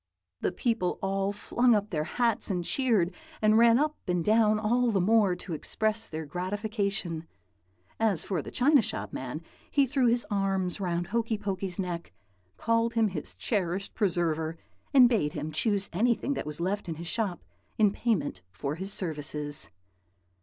"The people all flung up their hats, and cheered, and ran up and down all the more, to express their gratification. As for the china shop man, he threw his arms round Hokey Pokey's neck, called him his cherished preserver, and bade him choose anything that was left in his shop in payment for his services.